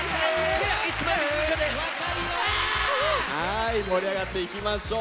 はい盛り上がっていきましょう。